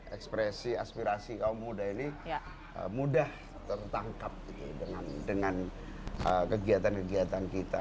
ekspresi aspirasi kaum muda ini mudah tertangkap dengan kegiatan kegiatan kita